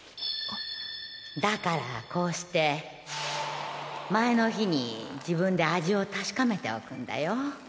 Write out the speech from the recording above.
だからこうして前の日に自分で味を確かめておくんだよ。